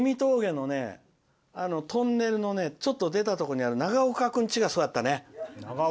日見峠のトンネルをちょっと出たところにあるながおか君ちがそうだったね。